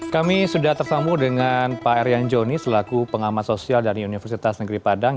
kami sudah tersambung dengan pak erian joni selaku pengamat sosial dari universitas negeri padang